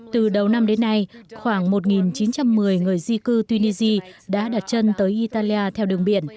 từ đầu năm đến nay khoảng một chín trăm một mươi người di cư tunisia đã đặt chân tới italia theo đường biển